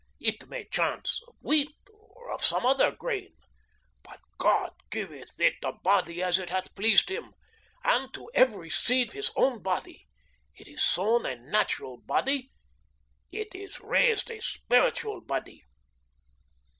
It may chance of wheat, or of some other grain. But God giveth it a body as it hath pleased him, and to every seed his own body.... It is sown a natural body; it is raised a spiritual body.'